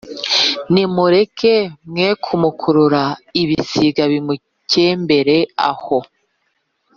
nimumureke mwe kumukurura ibisiga bimukembere aho.